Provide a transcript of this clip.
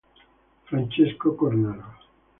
Francesco Cornaro.